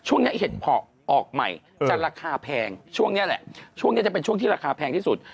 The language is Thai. เห็ดเพาะออกใหม่จะราคาแพงช่วงนี้แหละช่วงนี้จะเป็นช่วงที่ราคาแพงที่สุด